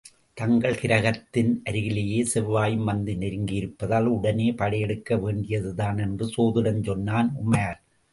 தங்கள் கிரகத்தின் அருகிலேயே செவ்வாயும் வந்து நெருங்கியிருப்பதால், உடனே படையெடுக்க வேண்டியதுதான் என்று சோதிடம் சொன்னான் உமார்.